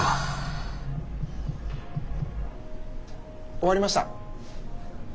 終わりました。